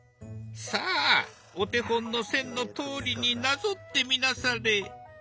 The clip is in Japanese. さあお手本の線のとおりになぞってみなされ。